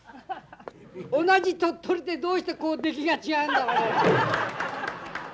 同じ鳥取でどうしてこう出来が違うんだろうよ。